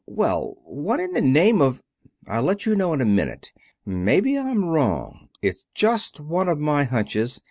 "Well, what in the name of " "I'll let you know in a minute. Maybe I'm wrong. It's just one of my hunches.